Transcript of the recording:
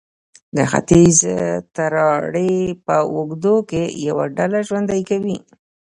د ختیځې تراړې په اوږدو کې یوه ډله ژوند کوي.